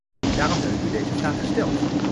Daarom heb ik u deze vraag gesteld.